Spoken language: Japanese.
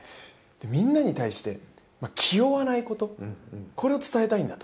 みんなに対して気負わないことを伝えたいんだと。